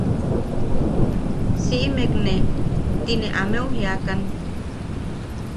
“siʼime ne” ti ne ameu jiakan.